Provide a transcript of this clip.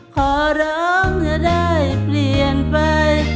ขอร้องจะได้เปลี่ยนไป